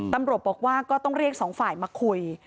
ตำรวจบอกว่าก็ต้องเรียกสองฝ่ายมาคุย